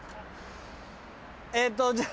えっとじゃあ。